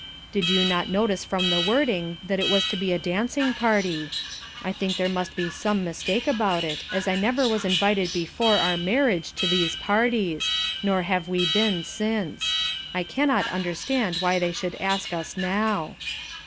Did you not notice from the wording that it was to be a dancing party. I think there must be some mistake about it, as I never was invited before our marriage to these parties, nor have we been since; I cannot understand why they should ask us now."